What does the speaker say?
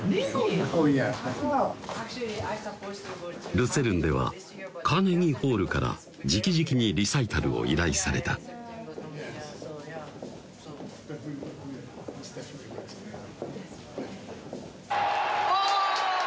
ルツェルンではカーネギーホールからじきじきにリサイタルを依頼されたおぉ！